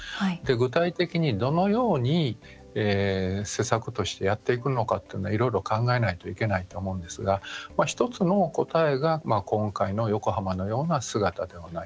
具体的に、どのように施策としてやっていくのかというのをいろいろ考えないといけないと思うんですが１つの答えが今回の横浜のような姿ではないかなと思っています。